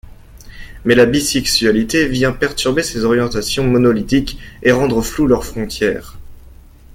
Mais la bisexualité vient perturber ces orientations monolithiques et rendre floues leurs frontières.